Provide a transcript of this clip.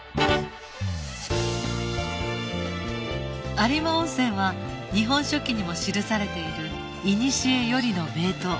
有馬温泉は『日本書紀』にも記されているいにしえよりの名湯